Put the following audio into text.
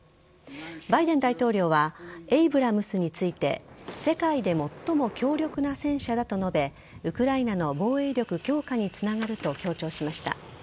バイデン大統領はエイブラムスについて世界で最も強力な戦車だと述べウクライナの防衛力強化につながると強調しました。